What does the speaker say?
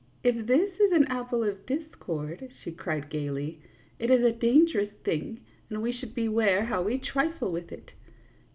" If this is an apple of discord," she cried, gayly, " it is a dangerous thing, and we should beware how we trifle with it.